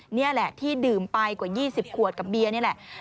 นี่แหละที่ดื่มไปกว่า๒๐ขวดกับเบียร์นี่แหละ